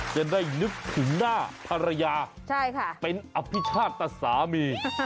จะได้นึกถึงหน้าภรรยาเป็นอภิชาตสามี